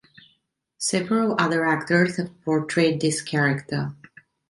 Several other actors have portrayed this character.